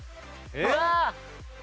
うわ！